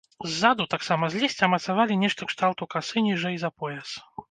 Ззаду, таксама з лісця, мацавалі нешта кшталту касы ніжэй за пояс.